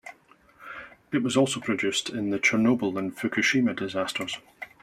It was also produced in the Chernobyl and Fukushima disasters.